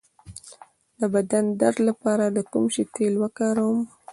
د بدن درد لپاره د کوم شي تېل وکاروم؟